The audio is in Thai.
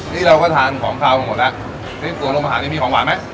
นี่เราก็ทานของขาวหมดแล้วสั่งลงมาหานี่มีของหวานไหม